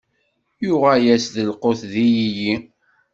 Yuɣal-as lqut d ilili.